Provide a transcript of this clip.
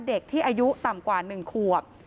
เด็กที่อายุต่ำกว่า๑ขวบ